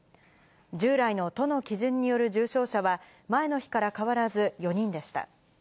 従来の都の基準による重症者は、前の日から変わらず４人でした。